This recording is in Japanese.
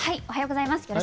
おはようございます。